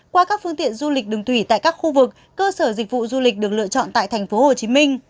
qua các phương tiện du lịch đường thủy tại các khu vực cơ sở dịch vụ du lịch được lựa chọn tại tp hcm